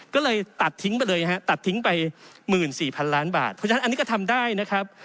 ก็เลยตัดทิ้งไปเลยฮะตัดทิ้งไป๑๔๐๐๐ล้านบาทเพราะฉะนั้นอันนี้ก็ทำได้นะครับ